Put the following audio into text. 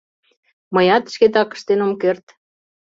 Мыят шкетак ыштен ом керт.